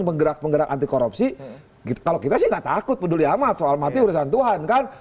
penggerak penggerak anti korupsi kalau kita sih nggak takut peduli amat soal mati urusan tuhan kan